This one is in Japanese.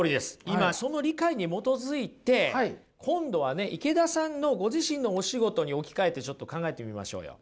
今その理解に基づいて今度はね池田さんのご自身のお仕事に置き換えてちょっと考えてみましょうよ。